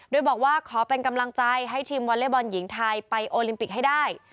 โดยบอกว่าขอเป็นกำลังใจให้ทีมวอเล็กบอลหญิงไทยไปโอลิมปิกให้ได้